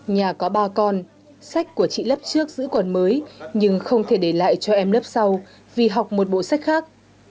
nhà có ba con sách của chị lớp trước giữ còn mới nhưng không thể để lại cho em lớp sau vì học một bộ sách khác